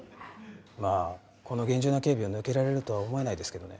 まあこの厳重な警備を抜けられるとは思えないですけどね